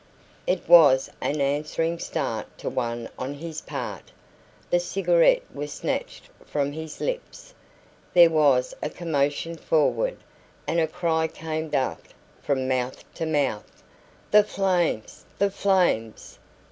It was an answering start to one on his part. The cigarette was snatched from his lips. There was a commotion forward, and a cry came aft, from mouth to mouth: "The flames! The flames!"